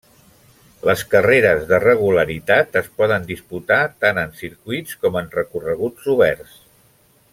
Les carreres de regularitat es poden disputar tant en circuits com en recorreguts oberts.